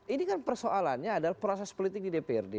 ini kan persoalannya adalah proses politik di dprd